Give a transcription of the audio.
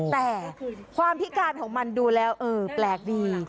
แต่ความพิการของมันดูแล้วเออแปลกดี